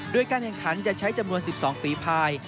ด้วยการยังทั้งจะใช้จำนวน๑๒ฟรีพาย